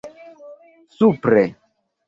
supre